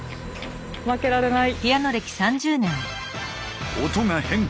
負けられない！